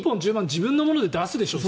自分のものって出すでしょ。